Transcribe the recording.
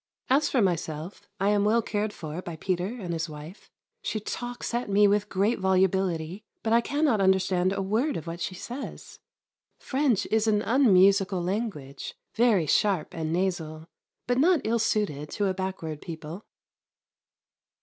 As for myself, I am well cared for by Peter and his wife. She talks at me with great volubility, but I cannot understand a word of what she says. French is an unmusical language, very sharp and nasal, but not ill suited to a backward people.